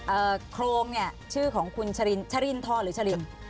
เอ่อโครงเนี่ยชื่อของคุณเจรินทรหรือเจริน